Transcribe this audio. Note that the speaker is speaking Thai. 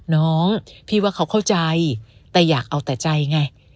น้องพี่ว่าเขาเข้าใจแต่อยากเอาแต่ใจไง